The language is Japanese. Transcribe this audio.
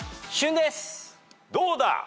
どうだ！？